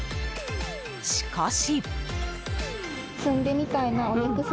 しかし。